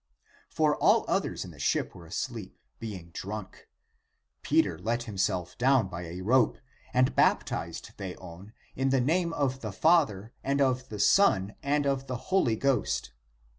For all others in the ship were asleep, being drunk. Peter let himself down by a rope and baptized Theon in the name of the Father and of the Son and of the Holy Ghost.